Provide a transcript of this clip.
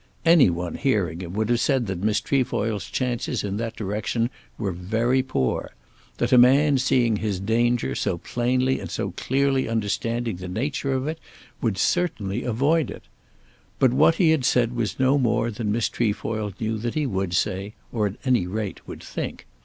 Any one hearing him would have said that Miss Trefoil's chances in that direction were very poor, that a man seeing his danger so plainly and so clearly understanding the nature of it would certainly avoid it. But what he had said was no more than Miss Trefoil knew that he would say, or, at any rate would think.